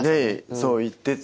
そう言ってて。